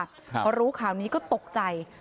พอรู้ข่าวนี้ก็ตกใจ